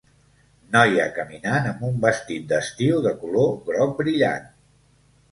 noia caminant amb un vestit d'estiu de color groc brillant.